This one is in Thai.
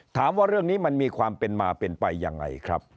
ถามว่าเรื่องนี้มันมีความเป็นมาเป็นไปยังไงครับ